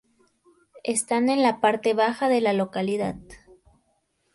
Están en la parte baja de la localidad.